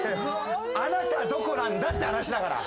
あなたどこなんだって話だから。